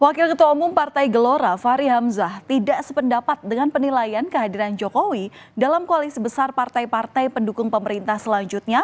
wakil ketua umum partai gelora fahri hamzah tidak sependapat dengan penilaian kehadiran jokowi dalam koalisi besar partai partai pendukung pemerintah selanjutnya